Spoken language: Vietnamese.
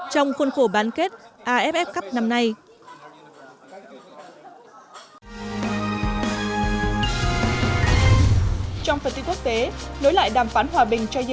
trong khuôn khổ bán kết aff cup năm nay